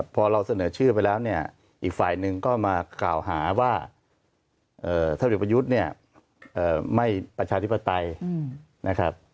พอเราเสนอชื่อไปแล้วเนี่ยอีกฝ่ายหนึ่งก็มากล่าวหาว่าท่านเด็กประยุทธ์เนี่ยไม่ประชาธิปไตยนะครับ